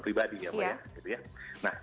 pribadi ya dok ya